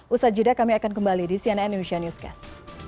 usha jidah kami akan kembali di cnn indonesia newscast